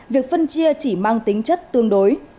việc phân chia chỉ mang tính chất tương đối